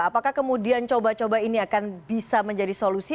apakah kemudian coba coba ini akan bisa menjadi solusi